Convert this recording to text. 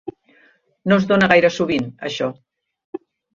No es dona gaire sovint, això.